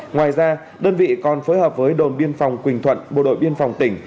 ngoài ra đơn vị còn phối hợp với đồn biên phòng quỳnh thuận bộ đội biên phòng tỉnh